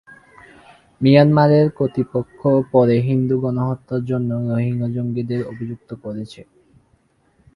মিয়ানমারের কর্তৃপক্ষ পরে হিন্দু গণহত্যার জন্য রোহিঙ্গা জঙ্গিদের অভিযুক্ত করেছে।